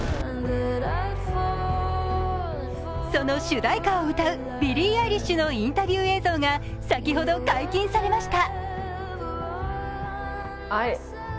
その主題歌を歌うビリー・アイリッシュのインタビュー映像が先ほど解禁されました。